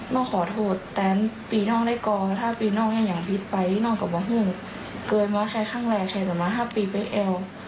นอกก็ขอโทษแต่ปีนอกได้ก่อนแล้วก็พี่นอกไปสัก๕ปีไปแอล